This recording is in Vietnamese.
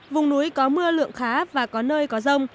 vùng núi có mưa lượng khá và có nơi có rông